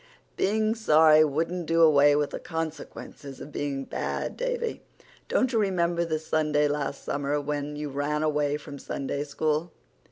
"Being sorry wouldn't do away with the consequences of being bad, Davy. Don't you remember the Sunday last summer when you ran away from Sunday School?